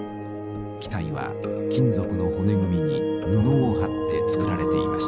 機体は金属の骨組みに布を張って造られていました。